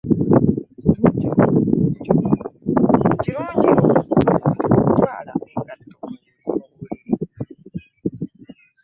Kirungi okutwala engatto mu buliri.